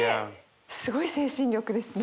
すごい精神力ですね。